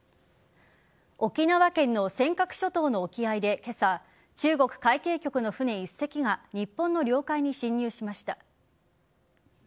沖縄県の尖閣諸島の沖合で今朝、中国海警局の船１隻が日本の領海に侵入しました。